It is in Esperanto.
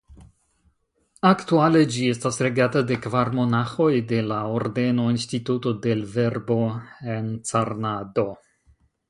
Aktuale ĝi estas regata de kvar monaĥoj de la ordeno "Instituto del Verbo Encarnado".